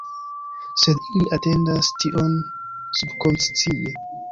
Sed ili atendas tion subkonscie